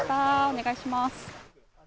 お願いします。